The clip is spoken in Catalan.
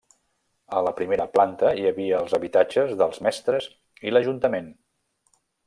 A la primera planta hi havia els habitatges dels mestres i l'ajuntament.